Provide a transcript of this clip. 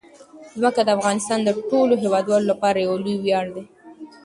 ځمکه د افغانستان د ټولو هیوادوالو لپاره یو لوی ویاړ دی.